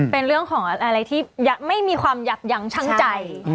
เป็นเรื่องของอะไรที่ไม่มีความยับยั้งชั่งใจ